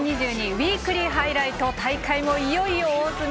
「ウイークリーハイライト」大会もいよいよ大詰め。